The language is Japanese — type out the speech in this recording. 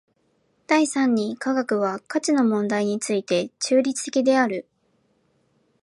第三に科学は価値の問題について中立的である。